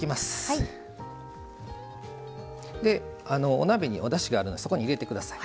お鍋におだしがあるのでそこに入れてください。